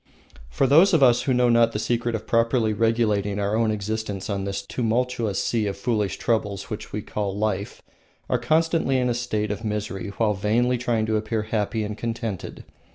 Those of us who know not the secret of properly regulating our own existence on this tumultuous sea of foolish troubles which we call life are constantly in a state of misery while vainly trying to appear happy and contented.